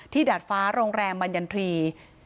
ที่ดาดฟ้าโรงแรมบัญญันทรีย์